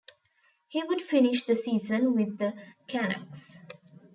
He would finish the season with the Canucks.